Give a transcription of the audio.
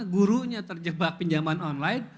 gurunya terjebak pinjaman online